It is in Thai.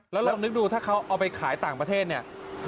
แล้วลองนึกดูถ้าเขาเอาไปขายต่างประเทศเนี่ย